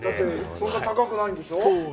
そんな高くないんでしょう？